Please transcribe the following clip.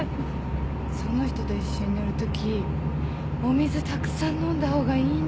その人と一緒に乗るときお水たくさん飲んだ方がいいんだって。